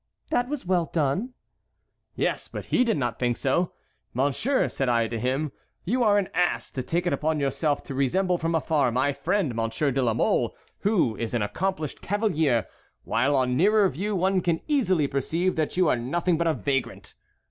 that was well done." "Yes, but he did not think so. 'Monsieur,' said I to him, 'you are an ass to take it upon yourself to resemble from afar my friend Monsieur de la Mole, who is an accomplished cavalier; while on nearer view one can easily perceive that you are nothing but a vagrant.'